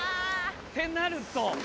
ってなると。